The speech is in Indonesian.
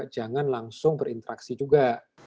jangan langsung berinteraksi juga